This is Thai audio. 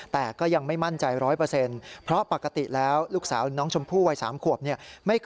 แต่ก็ยังไม่มั่นใจร้อยเปอร์เซ็นต์เพราะปกติแล้วลูกสาวน้องชมพู่วัยสามขวบเนี่ย